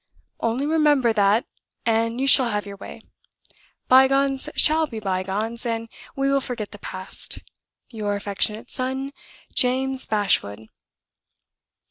Only remember that, and you shall have your way. By gones shall be by gones, and we will forget the past. "Your affectionate son, "JAMES BASHWOOD."